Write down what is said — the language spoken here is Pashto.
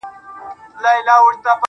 لکه کنگل تودو اوبو کي پروت يم_